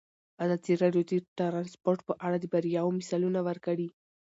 ازادي راډیو د ترانسپورټ په اړه د بریاوو مثالونه ورکړي.